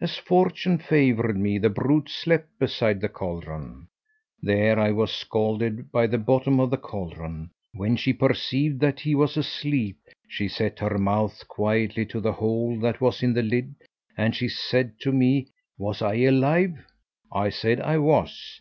As fortune favoured me, the brute slept beside the caldron. There I was scalded by the bottom of the caldron. When she perceived that he was asleep, she set her mouth quietly to the hole that was in the lid, and she said to me 'was I alive?' I said I was.